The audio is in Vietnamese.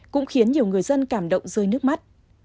cũng khiến nhiều người dân cảm động rơi nước mắt